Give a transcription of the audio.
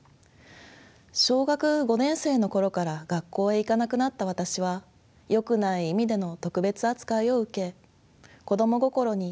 小学５年生の頃から学校へ行かなくなった私は「よくない意味」での特別扱いを受け子供心に居心地の悪さを感じていました。